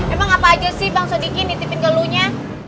emang apa aja sih bang sodiki dititipin ke elunya